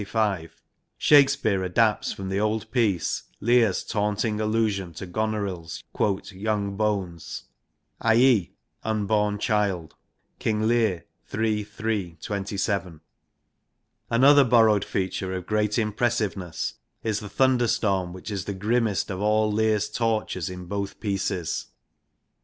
165), Shakespeare adapts from the old piece Lear's taunting allusion to Goneril's * young bones,' xlii INTRODUCTION i.e. unborn child (King Zr, III. iii. 27). Another bor rowed feature of great impressiveness is the thunderstorm, which is the grimmest of all Lear's tortures in both pieces.